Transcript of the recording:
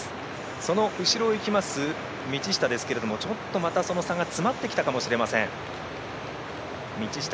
その後ろを行きます道下ですけれどもまたその差が詰まってきたかもしれません。